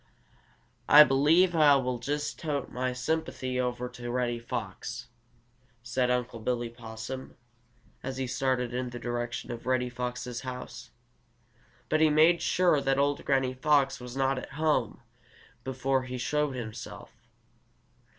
"Ah believe Ah will just tote my sympathy over to Reddy Fox," said Unc' Billy Possum, as he started in the direction of Reddy Fox's house. But he made sure that old Granny Fox was not at home before he showed himself.